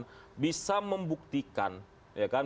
permohonan bisa membuktikan